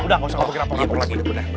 udah gak usah ngapain rampok rampok lagi